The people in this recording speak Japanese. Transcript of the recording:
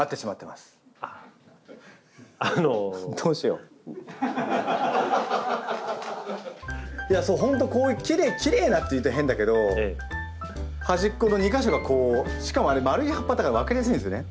うちのいやそう本当こういうきれい「きれいな」って言うと変だけど端っこの２か所がこうしかもあれまるい葉っぱだから分かりやすいんですよね。